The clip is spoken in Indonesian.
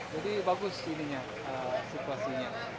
jadi bagus situasinya